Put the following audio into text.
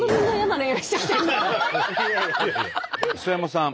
磯山さん。